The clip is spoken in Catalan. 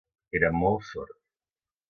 Era molt sord.